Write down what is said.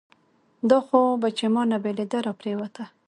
دا خو بهٔ چې مانه بېلېده راپرېوته